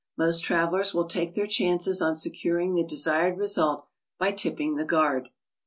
Most travelers will take their chances on securing the desired result by tipping the guard.